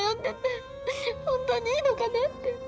本当にいいのかなって。